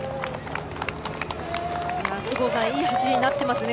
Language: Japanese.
須郷さんいい走りになってますね。